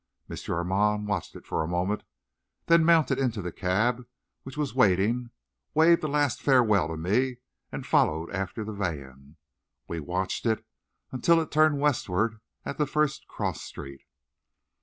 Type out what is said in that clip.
M. Armand watched it for a moment, then mounted into the cab which was waiting, waved a last farewell to me, and followed after the van. We watched it until it turned westward at the first cross street.